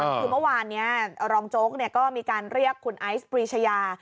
คือเมื่อวานนี้รองโจ๊กก็มีการเรียกคุณไอซ์ปรีชายา